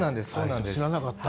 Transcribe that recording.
知らなかった。